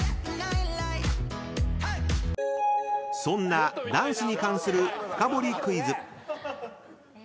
［そんなダンスに関するフカボリクイズ］